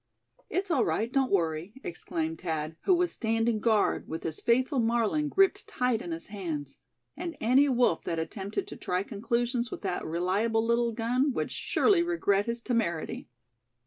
"It's all right; don't worry!" exclaimed Thad, who was standing guard, with his faithful Marlin gripped tight in his hands; and any wolf that attempted to try conclusions with that reliable little gun would surely regret his temerity.